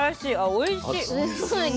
おいしい！